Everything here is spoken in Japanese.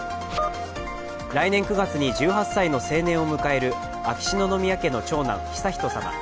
来年９月に１８歳の成年を迎える秋篠宮家の長男・悠仁さま。